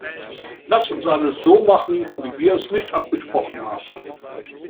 Lasst uns alles so machen, wie wir es nicht abgesprochen haben!